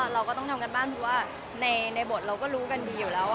เราก็ต้องทำการบ้านเพราะว่าในบทเราก็รู้กันดีอยู่แล้ว